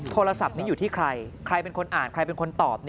โทรศัพท์นี้อยู่ที่ใครใครเป็นคนอ่านใครเป็นคนตอบ